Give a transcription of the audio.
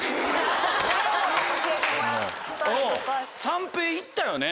三瓶行ったよね？